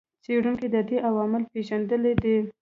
څېړونکو د دې عوامل پېژندلي دي.